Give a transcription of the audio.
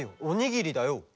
おにぎりだよ。